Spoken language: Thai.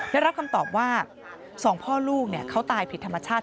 ได้รับคำตอบว่า๒พ่อลูกเขาตายผิดธรรมชาติ